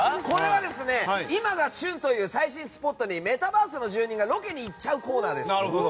これは今が旬という最新スポットにメタバースの住人がロケに行っちゃうコーナーです。